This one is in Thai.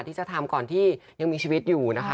ที่จะทำก่อนที่ยังมีชีวิตอยู่นะคะ